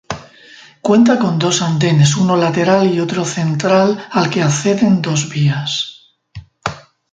Cuenta con dos andenes, uno lateral y otro central al que acceden dos vías.